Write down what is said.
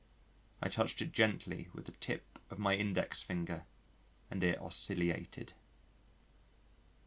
I touched it gently with the tip of my index finger and it oscillated.